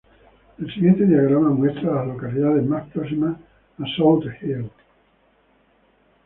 El siguiente diagrama muestra a las localidades más próximas a South Hill.